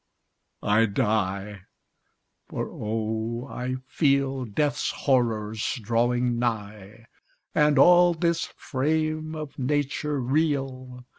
I die! For, oh! I feel Death's horrors drawing nigh, And all this frame of nature reel.